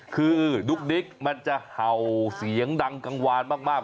คือดุ๊กดิ๊กมันจะเห่าเสียงดังกังวานมาก